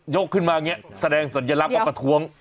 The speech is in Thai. ขึ้นมาอย่างนี้แสดงสัญลักษณ์ว่าประท้วง